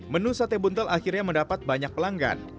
menu sate buntel akhirnya mendapat banyak pelanggan